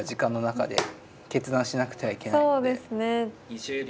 ２０秒。